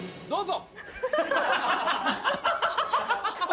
どうぞ。